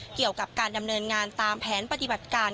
เกี่ยวกับการดำเนินงานตามแผนปฏิบัติการ